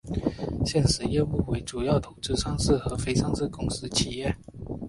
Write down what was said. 现时业务为主要投资上市和非上市公司企业。